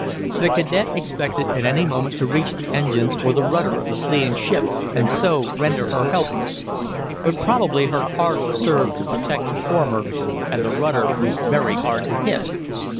The cadet expected at any moment to reach the engines or the rudder of the fleeing ship, and so render her helpless. But probably her cargo served to protect the former, and the rudder was very hard to hit.